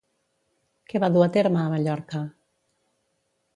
Què va dur a terme a Mallorca?